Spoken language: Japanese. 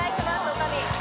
女将